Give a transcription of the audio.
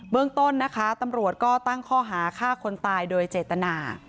เรื่องต้นนะคะตำรวจก็ตั้งข้อหาฆ่าคนตายโดยเจตนา